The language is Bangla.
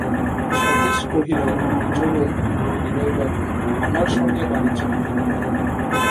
সতীশ কহিল, চলুন, বিনয়বাবু, আমার সঙ্গে বাড়ি চলুন।